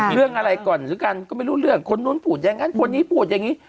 เรื่องอะไรก่อนหรือกันก็ไม่รู้เรื่องคนนู้นพูดอย่างนั้นคนนี้พูดอย่างนี้